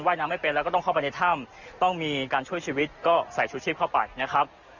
ยน้ำไม่เป็นแล้วก็ต้องเข้าไปในถ้ำต้องมีการช่วยชีวิตก็ใส่ชูชีพเข้าไปนะครับ